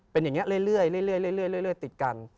เป็นอย่างนี้เรื่อยติดกัน